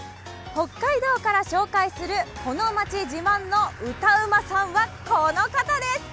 北海道から紹介するこの町自慢の歌うまさんは、この方です。